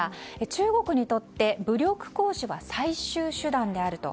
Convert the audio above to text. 中国にとって、武力行使は最終手段であると。